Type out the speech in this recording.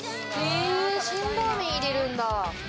辛ラーメン入れるんだ。